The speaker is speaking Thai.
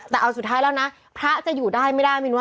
แต่เอาสุดท้ายแล้วนะพระจะอยู่ได้ไม่ได้มินว่า